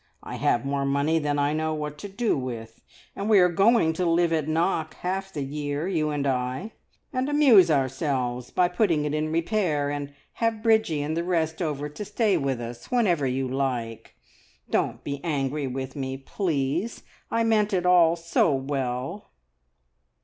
I have more money than I know what to do with, and we are going to live at Knock half the year, you and I, and amuse ourselves by putting it in repair, and have Bridgie and the rest over to stay with us whenever you like. Don't be angry with me, please. I meant it all so well!"